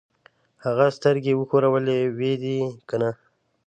هغه سترګۍ وښورولې: وي دې کنه؟